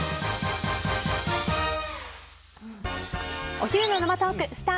お昼の生トークスター☆